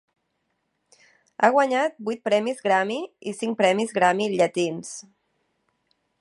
Ha guanyat vuit premis Grammy i cinc premis Grammy Llatins.